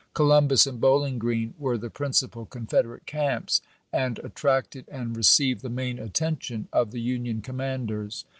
Columbus and Bowling Grreen were the principal Confederate camps, and attracted and received the main attention of the Union commanders.